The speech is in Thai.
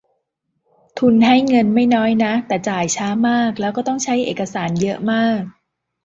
ทุนให้เงินไม่น้อยนะ แต่จ่ายช้ามาก แล้วก็ต้องใช้เอกสารเยอะมาก